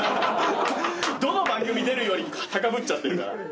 どの番組出るより高ぶっちゃってるから。